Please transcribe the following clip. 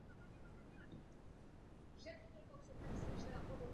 Západní břehy Britské Kolumbie omývá Tichý oceán.